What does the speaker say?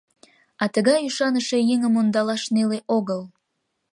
А тыгай ӱшаныше еҥым ондалаш неле огыл.